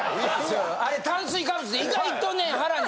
あれ炭水化物意外とね腹に。